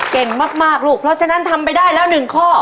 เก่งมากลูกเพราะฉะนั้นทำไปได้แล้ว๑ข้อ